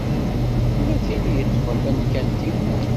Tella tin i yeṭṭfen tamkant-iw.